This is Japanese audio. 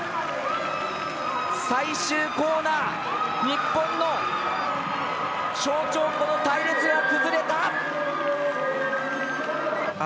最終コーナー、日本の象徴の隊列が崩れた！